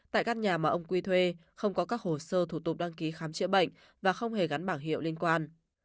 tại các nhà mà ông quy thuê không có các hồ sơ thủ tục đăng ký khám chữa bệnh và không hề gắn bảng hiệu liên quan